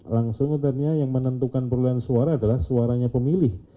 langsung katanya yang menentukan perolehan suara adalah suaranya pemilih